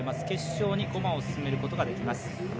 決勝に駒を進めることができます。